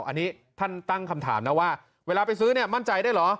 อันนี้ท่านตั้งคำถามนะว่าเวลาไปซื้อเนี่ยมั่นใจได้เหรอ